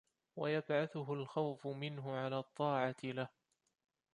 وَيَبْعَثُهُ الْخَوْفُ مِنْهُ عَلَى الطَّاعَةِ لَهُ